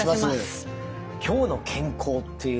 「きょうの健康」っていう